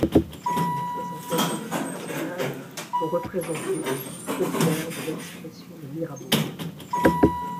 Une soixantaine d'autres personnages sont représentés, solidaires de l'expression de Mirabeau.